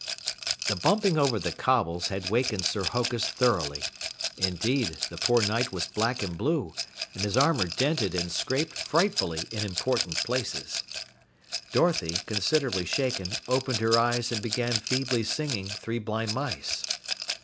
The bumping over the cobbles had wakened Sir Hokus thoroughly. Indeed, the poor Knight was black and blue, and his armor dented and scraped frightfully in important places. Dorothy, considerably shaken, opened her eyes and began feebly singing "Three Blind Mice."